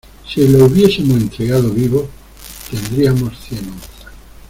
si le hubiésemos entregado vivo, tendríamos cien onzas.